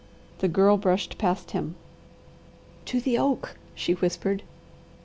The Girl brushed past him. "To the oak," she whispered.